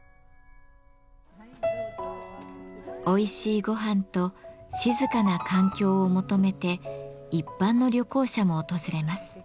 おいしいごはんと静かな環境を求めて一般の旅行者も訪れます。